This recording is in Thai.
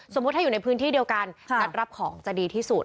ถ้าอยู่ในพื้นที่เดียวกันงัดรับของจะดีที่สุด